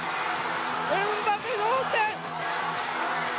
エムバペ同点！！